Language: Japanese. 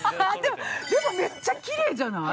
でも、めっちゃきれいじゃない？